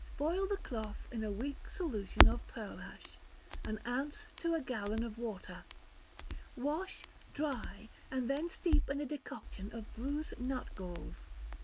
Boil the cloth in a weak solution of pearlash an ounce to a gallon of water, wash, dry, and then steep in a decoction of bruised nutgalls.